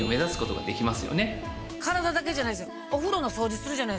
体だけじゃないですよ。